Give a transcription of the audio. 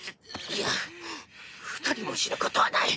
いや二人も死ぬことはない。